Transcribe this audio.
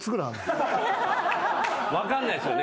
分かんないっすよね